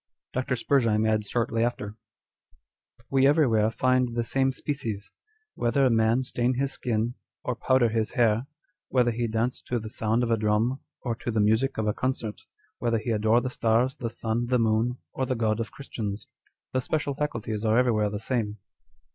Dr. Spurzheim adds shortly after â€" " We everywhere find the same species ; whether man stain his skin, or powder his hair ; whether he dance to the sound of a drum or to the music of a concert ; whether he adore the stars, the sun, the moon, or the God of Christians. The special faculties are everywhere the same."